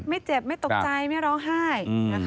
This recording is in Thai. ไม่เจ็บไม่ตกใจไม่ร้องไห้